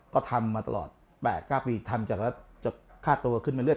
ก็ทำมาตลอด๘๙ปีทำจากค่าตัวขึ้นมาเรื่อ